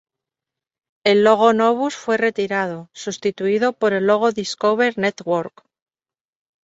El logo Novus fue retirado, sustituido por el logo Discover Network.